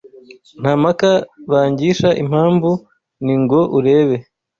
Nta mpaka bangisha Impamvu ni ngo urebe